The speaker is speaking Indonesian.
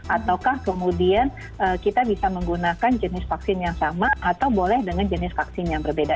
ataukah kemudian kita bisa menggunakan jenis vaksin yang sama atau boleh dengan jenis vaksin yang berbeda